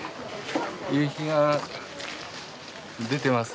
夕日が出てますね。